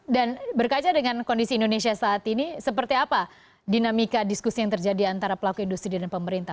dan berkaca dengan kondisi indonesia saat ini seperti apa dinamika diskusi yang terjadi antara pelaku industri dan pemerintah